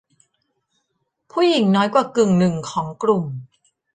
ผู้หญิงน้อยกว่ากึ่งหนึ่งของกลุ่ม